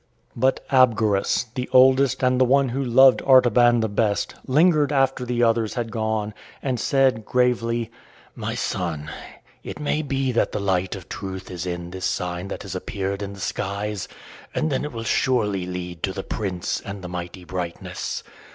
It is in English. But Abgarus, the oldest and the one who loved Artaban the best, lingered after the others had gone, and said, gravely: "My son, it may be that the light of truth is in this sign that has appeared in the skies, and then it will surely lead to the Prince and the mighty brightness.